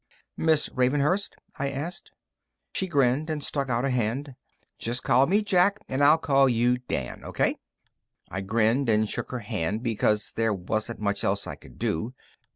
"Miss Ravenhurst?" I asked. She grinned and stuck out a hand. "Just call me Jack. And I'll call you Dan. O.K.?" I grinned and shook her hand because there wasn't much else I could do.